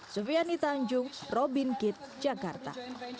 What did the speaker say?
sufiani tanjung robin kitt jakarta